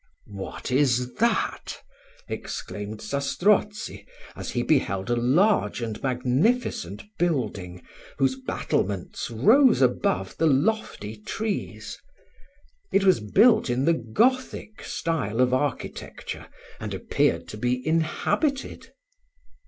"What is that?" exclaimed Zastrozzi, as he beheld a large and magnificent building, whose battlements rose above the lofty trees. It was built in the Gothic style of architecture, and appeared to be inhabited.